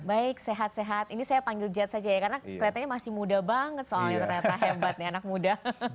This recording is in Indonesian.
baik sehat sehat ini saya panggil jad saja ya karena kelihatannya masih muda banget soalnya ternyata hebat nih anak muda